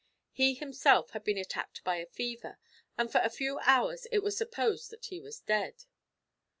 He himself had been attacked by a fever, and for a few hours it was supposed that he was dead.